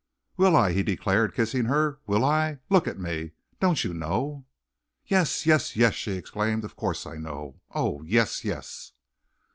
"Will I!" he declared, kissing her, "will I? Look at me. Don't you know?" "Yes! Yes! Yes!" she exclaimed, "of course I know. Oh, yes! yes!"